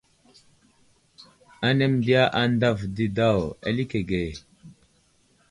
Anaŋ məndiya andav didaw alikege.